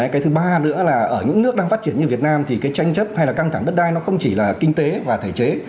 cái thứ ba nữa là ở những nước đang phát triển như việt nam thì cái tranh chấp hay là căng thẳng đất đai nó không chỉ là kinh tế và thể chế